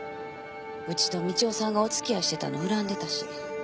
うちと道夫さんがお付き合いしてたのを恨んでたし。